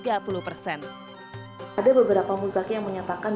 ada beberapa muzaki yang menyatakan